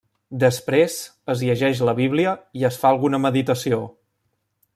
Després, es llegeix la Bíblia i es fa alguna meditació.